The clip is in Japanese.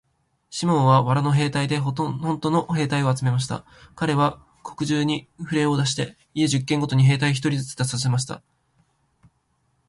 シモンは藁の兵隊でほんとの兵隊を集めました。かれは国中にふれを出して、家十軒ごとに兵隊一人ずつ出させました。